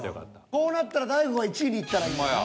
こうなったら大悟が１位にいったらいいのよね。